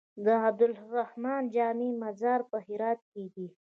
د عبدالرحمن جامي مزار په هرات کی دی